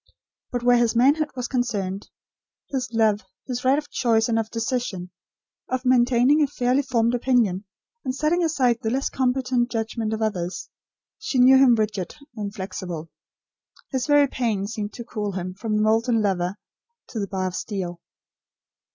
But where his manhood was concerned; his love; his right of choice and of decision; of maintaining a fairly formed opinion, and setting aside the less competent judgment of others; she knew him rigid, inflexible. His very pain seemed to cool him, from the molten lover, to the bar of steel.